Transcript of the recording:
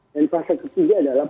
dan fase ketiga adalah